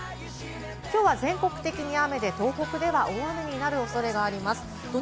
きょうは全国的に雨で、東北では大雨になる恐れがあります。